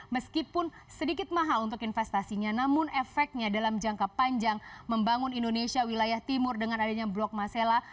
meskipun sedikit mahal untuk investasinya namun efeknya dalam jangka panjang membangun indonesia wilayah timur dengan adanya blok masela